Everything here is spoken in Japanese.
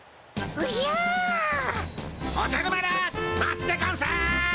おじゃる丸待つでゴンス！